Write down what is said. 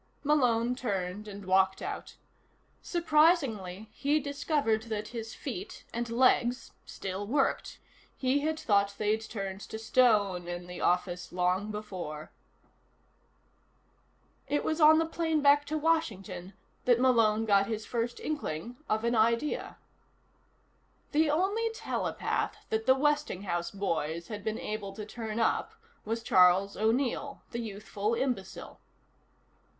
Malone turned and walked out. Surprisingly, he discovered that his feet and legs still worked. He had thought they'd turned to stone in the office long before. It was on the plane back to Washington that Malone got his first inkling of an idea. The only telepath that the Westinghouse boys had been able to turn up was Charles O'Neill, the youthful imbecile.